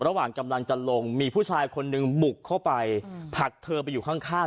ระหว่างกำลังจะลงมีผู้ชายคนหนึ่งบุกเข้าไปผลักเธอไปอยู่ข้าง